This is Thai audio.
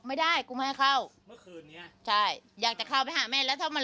ไม่ได้กูไม่ให้เข้าเมื่อคืนนี้ใช่อยากจะเข้าไปหาแม่แล้วถ้ามัน